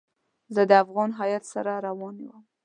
زه د افغان هیات سره روان وم.